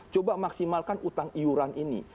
coba maksimalkan utang iuran ini